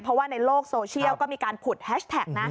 เพราะว่าในโลกโซเชียลก็มีการผุดแฮชแท็กนะ